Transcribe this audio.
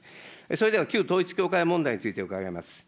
それでは旧統一教会問題について、伺います。